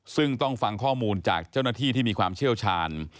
ซึ่งต้องฟังข้อมูลจากเจ้าหน้าที่ที่มีความเชี่ยวชาญ